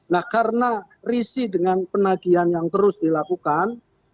nah karena risih dengan penagihan yang terus dilakukan